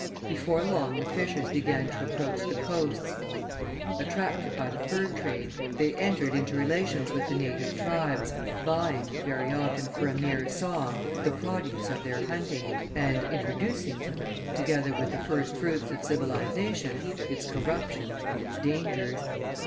Before long the fishers began to approach the coasts, attracted by the fur trade; they entered into relations with the native tribes, buying, very often for a mere song, the produce of their hunting, and , introducing to them, together with the first fruits of civilization, its corruptions and its dangers.